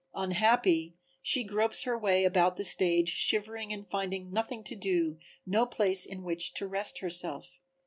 Unhappy, she gropes her way about the stage shivering and finding nothing to do, no place in which to rest herself.